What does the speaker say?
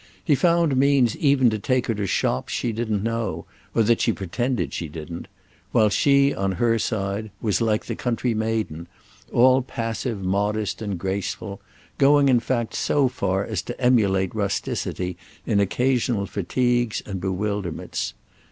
He found means even to take her to shops she didn't know, or that she pretended she didn't; while she, on her side, was, like the country maiden, all passive modest and grateful—going in fact so far as to emulate rusticity in occasional fatigues and bewilderments.